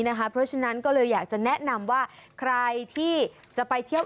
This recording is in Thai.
เพราะฉะนั้นก็เลยอยากจะแนะนำว่าใครที่จะไปเที่ยว